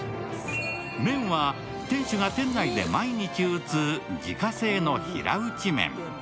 麺は店主が店内で毎日打つ自家製の平打ち麺。